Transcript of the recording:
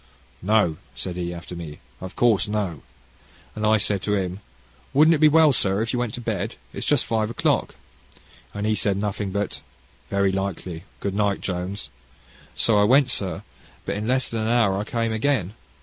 "'No,' said he, after me, 'of course, no;' and I said to him, 'Wouldn't it be well, sir, you went to bed? It's just five o'clock;' and he said nothing, but, 'Very likely; good night, Jones.' So I went, sir, but in less than an hour I came again.